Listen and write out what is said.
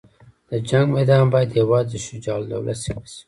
د جنګ میدان باید یوازې د شجاع الدوله سیمه شي.